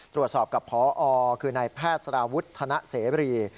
ตรวจสอบกับพอคือนายแพทย์สารวุฒิธนเสรี